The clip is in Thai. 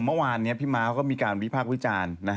เมื่อวานนี้พี่ม้าก็มีการวิพากษ์วิจารณ์